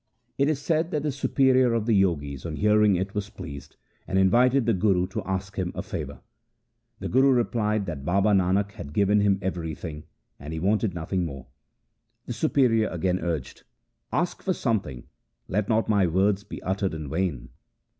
It is said that the superior of the Jogis on hearing it was pleased, and invited the Guru to ask him a favour. The Guru replied that Baba Nanak had given him everything, and he wanted nothing more. The superior again urged, ' Ask for something. Let not my words be uttered in vain.'